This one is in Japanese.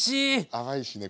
甘いしね